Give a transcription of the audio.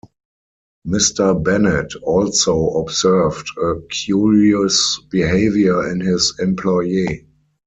Mr. Bennett also observed a curious behaviour in his employer.